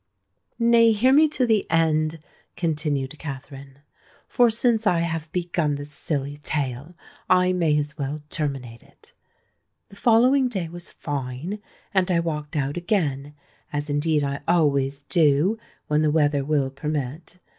"Nay—hear me to the end," continued Katherine; "for since I have begun this silly tale, I may as well terminate it. The following day was fine; and I walked out again—as indeed I always do, when the weather will permit.